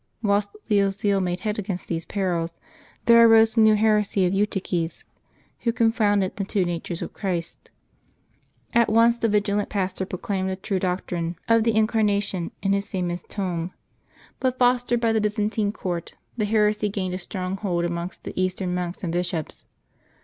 Whilst Leo's zeal made head against these perils, there arose the new heresy of Eutyches, who confounded the two natures of Christ. At once the vigilant pastor proclaimed the true doctrine of the 144 LIVES OF THE SAINTS CApml 12 Incarnation in his famous ^Home;" but fostered by the Byzantine court, the heresy gained a strong hold amongst the Eastern monks and bishops.